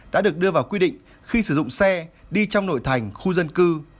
đã được đưa vào quy định khi sử dụng xe đi trong nội thành khu dân cư